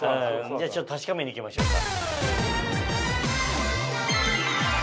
じゃあちょっと確かめに行きましょうか。